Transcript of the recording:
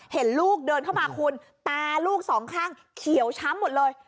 เห็นลูกเดินเข้ามาคุณตาลูกสองข้างเขียวช้ำหมดเลย